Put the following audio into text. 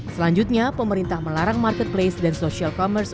selanjutnya pemerintah melarang marketplace dan social commerce